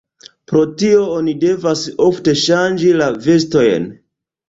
Pro tio oni devas ofte ŝanĝi la vestojn.